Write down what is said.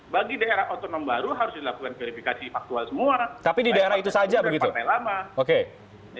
bagi theyera otonom baru harus dilakukan verifikasi paktual semua